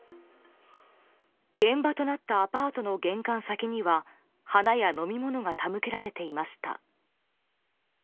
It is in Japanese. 現場となったアパートの玄関先には花や飲み物が手向けられていました。